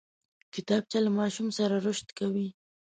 کتابچه له ماشوم سره رشد کوي